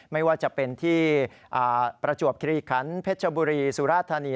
ไม่ว่าจะเป็นที่ประจวบคิริคันเพชรบุรีสุราธานี